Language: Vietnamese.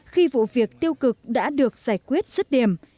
khi vụ việc tiêu cực đã được giải quyết rứt điểm